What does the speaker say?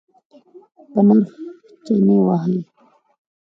په نرخ چنی وهئ؟